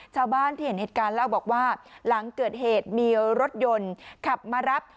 ชาวบ้านที่เห็นเหตุการณ์เล่าบอกว่าหลังเกิดเหตุมีรถยนต์ขับมารับ